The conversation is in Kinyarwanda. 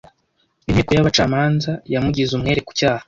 Inteko y'abacamanza yamugize umwere ku cyaha.